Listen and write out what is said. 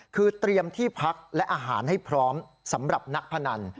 คือเตรียมที่พักและอาหารให้พร้อมสำหรับนักพนัน